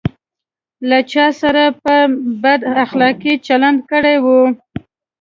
له چا سره په بد اخلاقي چلند کړی وي.